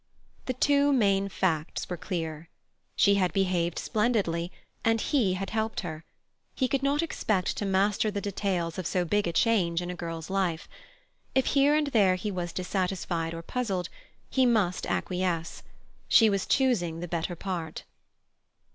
The two main facts were clear. She had behaved splendidly, and he had helped her. He could not expect to master the details of so big a change in a girl's life. If here and there he was dissatisfied or puzzled, he must acquiesce; she was choosing the better part.